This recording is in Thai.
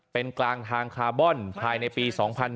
เป็นกลางทางคาร์บอนภายในปี๒๕๕๙